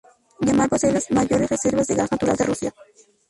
Yamal posee las mayores reservas de gas natural de Rusia.